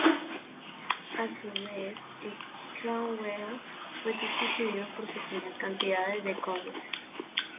A su vez, el Cromwell fue sustituido por pequeñas cantidades del Comet.